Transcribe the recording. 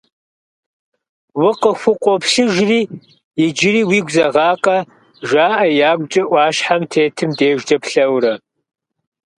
Укъыхукъуоплъыжри, иджыри уигу зэгъакъэ?! — жаӏэ ягукӏэ ӏуащхьэм тетым дежкӏэ плъэурэ.